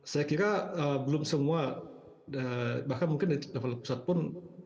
saya kira belum semua bahkan mungkin di level pusat pun